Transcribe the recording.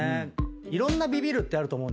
いろんなビビるってあると思うんですよ。